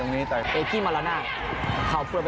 โอเคครับ